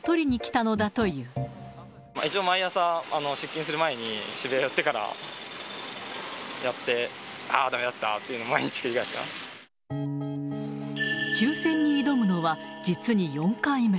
一応、毎朝、出勤する前に渋谷寄ってからやって、あー、だめだったというのを抽せんに挑むのは、実に４回目。